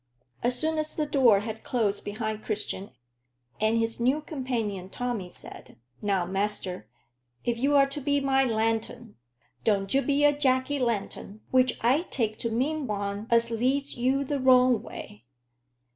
As soon as the door had closed behind Christian and his new companion Tommy said "Now, master, if you're to be my lantern, don't you be a Jacky Lantern, which I take to mean one as leads you the wrong way.